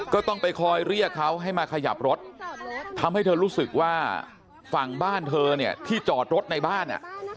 ก็ต้องไปคอยเรียกเขาให้มาขยับรถทำให้เธอรู้สึกว่าฝั่งบ้านเธอเนี่ยที่จอดรถในบ้านอ่ะ